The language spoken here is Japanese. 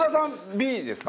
Ｂですか？